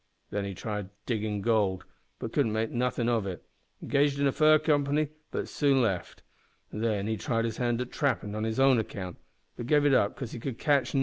Then he tried gold diggin', but could make nothin' of it; engaged in a fur company, but soon left it; an' then tried his hand at trappin' on his own account but gave it up 'cause he could catch nothin'.